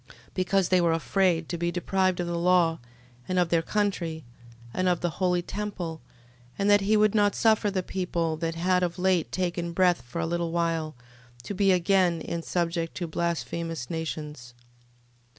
Because they were afraid to be deprived of the law, and of their country, and of the holy temple: and that he would not suffer the people, that had of late taken breath for a little while, to be again in subjection to blasphemous nations.